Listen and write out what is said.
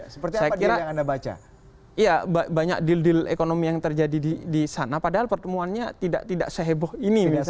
seperti apa deal yang anda baca iya banyak deal deal ekonomi yang terjadi di sana padahal pertemuannya tidak tidak seheboh ini misalnya